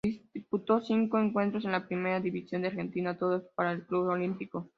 Disputó cinco encuentros en la Primera División de Argentina, todos para el Club Olimpo.